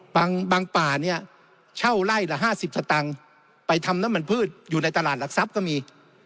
บางป่าเนี่ยเช่าไล่ละ๕๐สตางค์ไปทำน้ำมันพืชอยู่ในตลาดหลักทรัพย์ก็มี